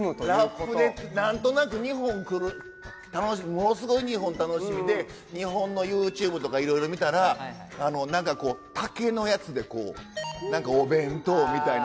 ラップでなんとなく日本来るものすごい日本楽しみで日本のＹｏｕＴｕｂｅとかいろいろ見たらなんか竹のやつでこうお弁当みたいな。